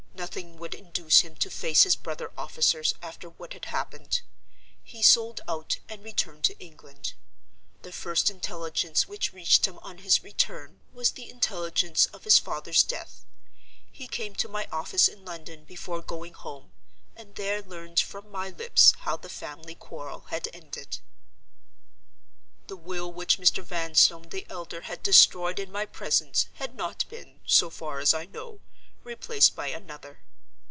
Nothing would induce him to face his brother officers after what had happened. He sold out and returned to England. The first intelligence which reached him on his return was the intelligence of his father's death. He came to my office in London, before going home, and there learned from my lips how the family quarrel had ended. "The will which Mr. Vanstone the elder had destroyed in my presence had not been, so far as I know, replaced by another.